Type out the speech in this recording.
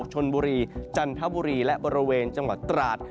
ชนบุรีจันทบุรีและบริเวณจังหวัดตราด